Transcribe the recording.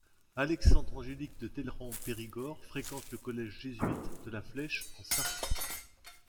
Alexandre Angélique de Talleyrand-Périgord fréquente le collège jésuite de La Flèche en Sarthe.